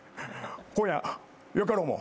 今夜よかろうもう。